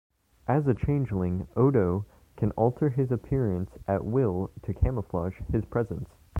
As a Changeling, Odo can alter his appearance at will to camouflage his presence.